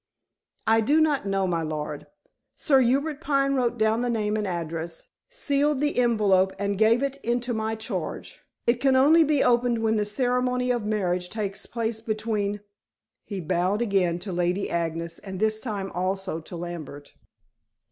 "I do not know, my lord. Sir Hubert Pine wrote down the name and address, sealed the envelope, and gave it into my charge. It can only be opened when the ceremony of marriage takes place between " he bowed again to Lady Agnes and this time also to Lambert.